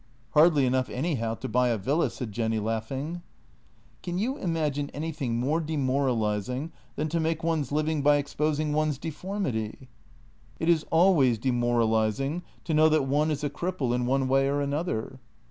" Hardly enough anyhow to buy a villa," said Jenny, laugh ing. " Can you imagine anything more demoralizing than to make one's living by exposing one's deformity? "" It is always demoralizing to know that one is a cripple in one way or another."